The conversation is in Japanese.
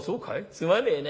すまねえね。